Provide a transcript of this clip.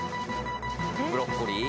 ブロッコリー？